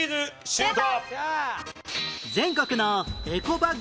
シュート！